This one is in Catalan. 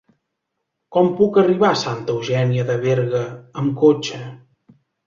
Com puc arribar a Santa Eugènia de Berga amb cotxe?